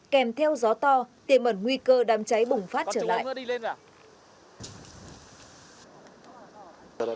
kèm theo gió to tiềm ẩn nguy cơ đám cháy bùng phát trở lại